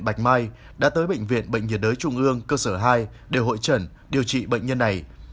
bạch mai đã tới bệnh viện bệnh nhiệt đới trung ương cơ sở hai để hội trần điều trị bệnh nhân này